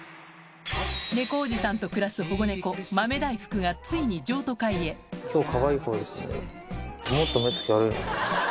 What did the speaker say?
猫おじさんと暮らす保護猫豆大福がついに譲渡会へと『嗚呼‼